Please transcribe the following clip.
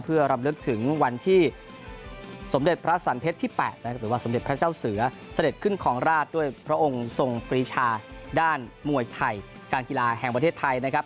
เพื่อรำลึกถึงวันที่สมเด็จพระสันเพชรที่๘นะครับหรือว่าสมเด็จพระเจ้าเสือเสด็จขึ้นครองราชด้วยพระองค์ทรงปรีชาด้านมวยไทยการกีฬาแห่งประเทศไทยนะครับ